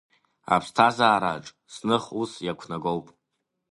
Аԥсҭазаараҿ, зных ус иақәнагоуп…